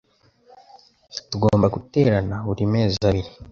Tugomba guterana buri mezi abiri.